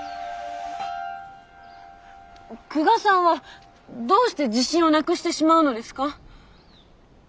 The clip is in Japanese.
久我さんはどうして自信をなくしてしまうのですか？